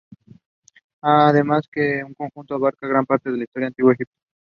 Además que, en conjunto, abarcan gran parte de la historia del Antiguo Egipto.